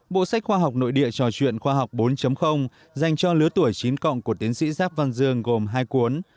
bộ sách khoa học nội địa trò chuyện khoa học bốn dành cho lứa tuổi chín cộng của tiến sĩ giáp văn dương gồm hai cuốn